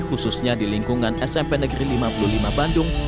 khususnya di lingkungan smp negeri lima puluh lima bandung